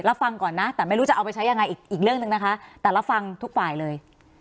ฟังก่อนนะแต่ไม่รู้จะเอาไปใช้ยังไงอีกเรื่องหนึ่งนะคะแต่ละฟังทุกฝ่ายเลย